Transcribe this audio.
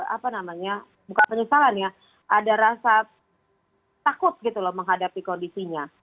apa namanya bukan penyesalan ya ada rasa takut gitu loh menghadapi kondisinya